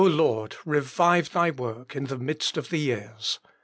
Lord, revive Thy work in the midst of the years."